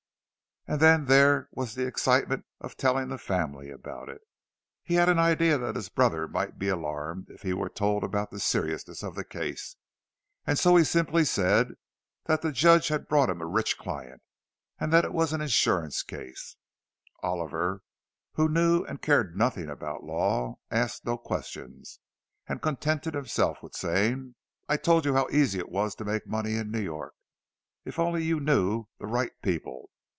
And then there was the excitement of telling the family about it. He had an idea that his brother might be alarmed if he were told about the seriousness of the case; and so he simply said that the Judge had brought him a rich client, and that it was an insurance case. Oliver, who knew and cared nothing about law, asked no questions, and contented himself with saying, "I told you how easy it was to make money in New York, if only you knew the right people!"